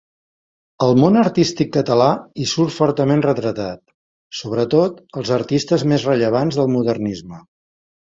El món artístic català hi surt fortament retratat, sobretot els artistes més rellevants del Modernisme.